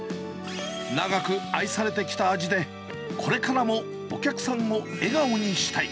長く愛されてきた味で、これからもお客さんを笑顔にしたい。